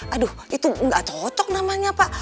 aduh itu enggak cocok namanya pak